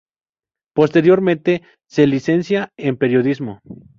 Posteriormente se licencia en Periodismo.